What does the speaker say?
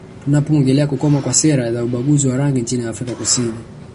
Tunapoongelea kukoma kwa sera za ubaguzi wa rangi nchini Afrika Kusini